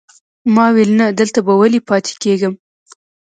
ما ویل نه، دلته به ولې پاتې کېږم.